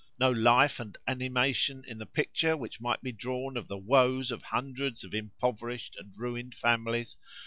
no life and animation in the picture which might be drawn of the woes of hundreds of impoverished and ruined families?